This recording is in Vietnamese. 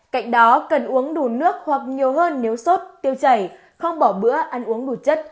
cạnh đó cần uống đủ nước hoặc nhiều hơn nếu sốt tiêu chảy không bỏ bữa ăn uống đủ chất